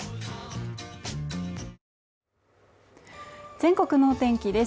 全国のお天気です